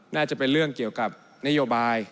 น่าจะเป็นเรื่องเกี่ยวกับนโยบาย